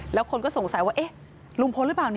และคนก็สงสัยว่าลุงพลแหละป่าว